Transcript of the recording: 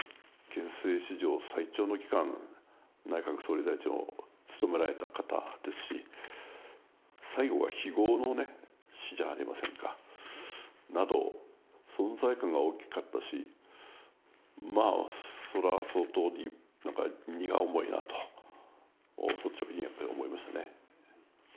憲政史上最長の期間、内閣総理大臣を務められた方ですし、最後は非業の死じゃありませんか。など、存在感が大きかったし、まあ、そら相当、なんか荷が重いなと、率直にやっぱり思いましたね。